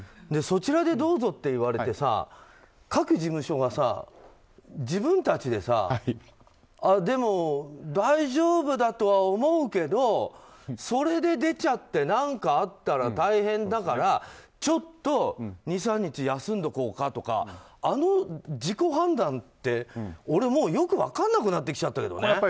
そちらでどうぞって言われて各事務所がさ、自分たちでさでも、大丈夫だとは思うけどそれで出ちゃって何かあったら大変だからちょっと２３日休んどこうかとかあの自己判断って俺、もうよく分からなくなっちゃっているけどね。